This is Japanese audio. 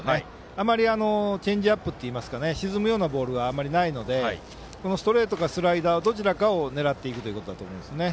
あまりチェンジアップというか沈むようなボールはあまりないのでストレートかスライダーのどちらかを狙うということだと思います。